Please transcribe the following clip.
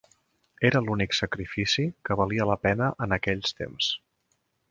Era l'únic sacrifici que valia la pena en aquells temps.